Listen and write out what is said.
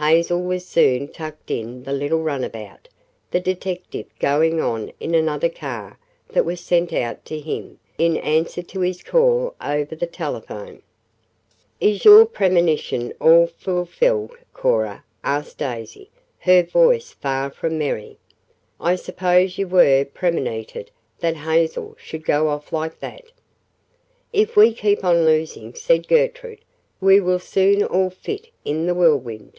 Hazel was soon tucked in the little runabout, the detective going on in another car that was sent out to him in answer to his call over the telephone. "Is your premonition all fulfilled, Cora?" asked Daisy, her voice far from merry. "I suppose you were 'premonited' that Hazel should go off like that." "If we keep on losing," said Gertrude, "we will soon all fit in the Whirlwind."